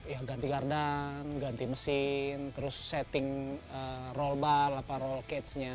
ya ganti gardan ganti mesin terus setting roll bar atau roll cage nya